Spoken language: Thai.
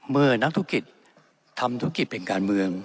เมื่อนักธุรกิจทำธุรกิจเป็นการเมือง